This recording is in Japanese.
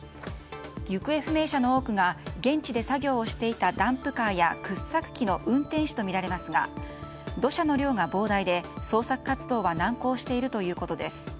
行方不明者の多くが現地で作業をしていたダンプカーや掘削機の運転手とみられますが土砂の量が膨大で、捜索活動は難航しているということです。